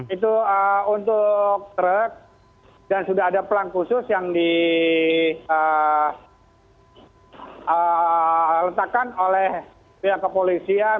itu untuk truk dan sudah ada pelang khusus yang diletakkan oleh pihak kepolisian